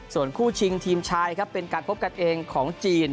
ส่วนคู่ชิงทีมชายครับเป็นการพบกันเองของจีน